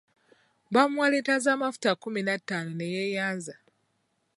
Baamuwa liita z’amafuta kkumi na ttano ne yeeyanza.